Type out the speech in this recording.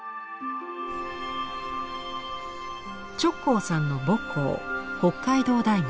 直行さんの母校北海道大学。